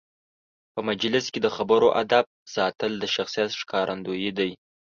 په مجلس کې د خبرو آدب ساتل د شخصیت ښکارندوی دی.